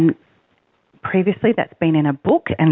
dan sebelumnya itu sudah ada dalam buku